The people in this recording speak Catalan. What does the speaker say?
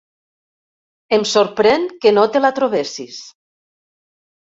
Em sorprèn que no te la trobessis.